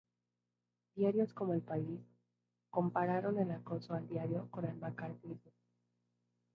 Diarios como El País, compararon el acoso al diario con el macartismo.